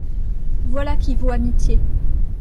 Voilà qui vaut amitié.